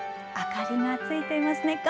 明かりがついていますね。